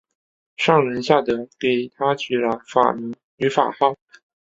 上仁下德给他取了法名和法号。